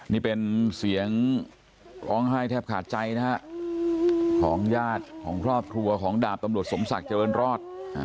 นี่เป็นเสียงร้องไห้แทบขาดใจนะฮะของญาติของครอบครัวของดาบตำรวจสมศักดิ์เจริญรอด